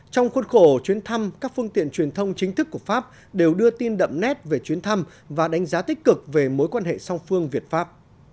trong khuôn khổ chuyến thăm các phương tiện truyền thông chính thức của pháp đều đưa tin đậm nét về chuyến thăm và đánh giá tích cực về mối quan hệ song phương việt pháp